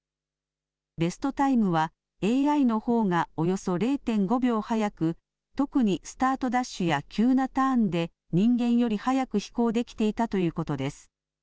ベストタイムはＡＩのほうがおよそ０．５秒早く特に、スタートダッシュや急なターンで人間より速く飛行できていたということです。